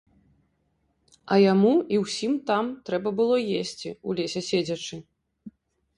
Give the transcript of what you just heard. А яму і ўсім там трэба было есці, у лесе седзячы.